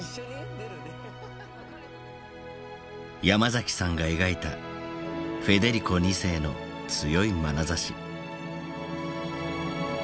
ヤマザキさんが描いたフェデリコ２世の強いまなざし。